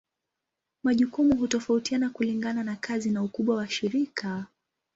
Majukumu hutofautiana kulingana na kazi na ukubwa wa shirika.